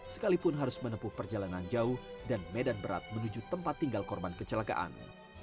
sekalipun harus menempuh perjalanan jauh dan medan berat menuju tempat tinggal korban kecelakaan